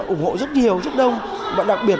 ủng hộ rất nhiều rất đông và đặc biệt